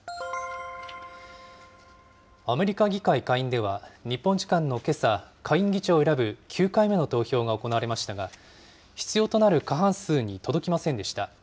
アメリカ議会下院では日本時間のけさ、下院議長を選ぶ９回目の投票が行われましたが、必要となる過半数に届きませんでした。